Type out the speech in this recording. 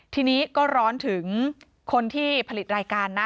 ทีนี้ก็ร้อนถึงคนที่ผลิตรายการนะ